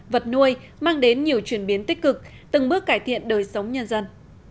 vật nuôi mang đến nhiều chuyển biến tích cực từng bước cải thiện đời sống nhân dân